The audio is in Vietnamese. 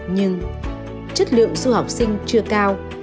nhưng chất lượng du học sinh chưa cao